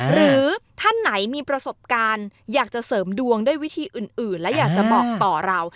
หรือท่านไหนมีประสบการณ์อยากจะเสริมดวงด้วยวิธีอื่นและอยากจะบอกต่อเรา